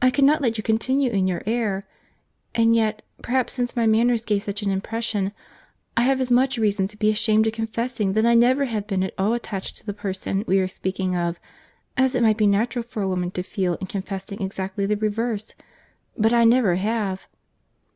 I cannot let you continue in your error; and yet, perhaps, since my manners gave such an impression, I have as much reason to be ashamed of confessing that I never have been at all attached to the person we are speaking of, as it might be natural for a woman to feel in confessing exactly the reverse.—But I never have."